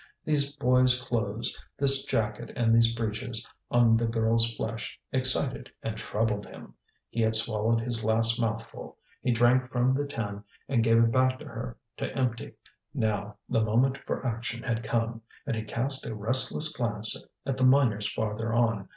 These boy's clothes this jacket and these breeches on the girl's flesh excited and troubled him. He had swallowed his last mouthful. He drank from the tin and gave it back for her to empty. Now the moment for action had come, and he cast a restless glance at the miners farther on.